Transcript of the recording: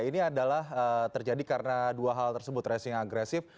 ini adalah terjadi karena dua hal tersebut tracing agresif